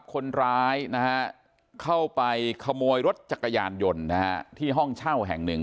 คนร้ายเข้าไปขโมยรถจักรยานยนต์ที่ห้องเช่าแห่งหนึ่ง